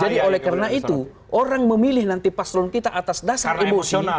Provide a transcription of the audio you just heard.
jadi oleh karena itu orang memilih nanti paselun kita atas dasar emosi